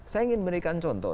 saya ingin memberikan contoh